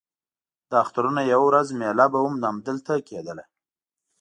د اخترونو یوه ورځ مېله به هم همدلته کېدله.